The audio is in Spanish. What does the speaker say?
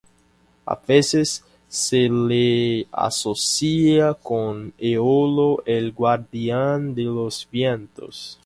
A veces se le asocia con Eolo, el Guardián de los Vientos.